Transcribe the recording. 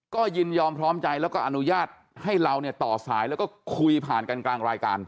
ก็ยินยอมพร้อมใจแล้วก็อนุญาตให้เราเนี่ยต่อสายแล้วก็คุยผ่านกันกลางรายการ